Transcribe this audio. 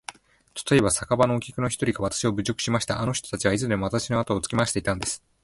たとえば、酒場のお客の一人がわたしを侮辱しました。あの人たちはいつでもわたしのあとをつけ廻していたんです。